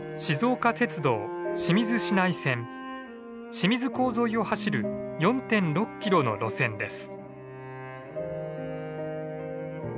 清水港沿いを走る４．６キロの路線です。